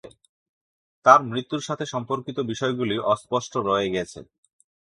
তার মৃত্যুর সাথে সম্পর্কিত বিষয়গুলি অস্পষ্ট রয়ে গেছে।